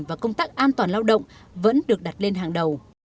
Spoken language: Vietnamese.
và công tác an toàn lao động vẫn được đặt lên hàng đầu